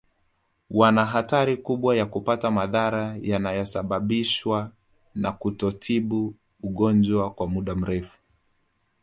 Wana hatari kubwa ya kupata madhara yanayosababishwa na kutotibu ugonjwa kwa muda mrefu